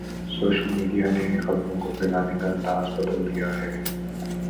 Social media نے خبروں کو پھیلانے کا انداز بدل دیا ہے۔